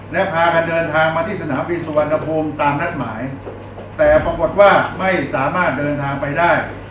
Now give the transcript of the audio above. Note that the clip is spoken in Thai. และพากันเดินทางมาที่สนามบินสุวรรณภูมิตามนัดหมายแต่ปรากฏว่าไม่สามารถเดินทางไปได้